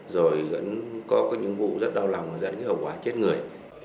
rồi có những vụ rất đau lòng dẫn đến hậu quả chết người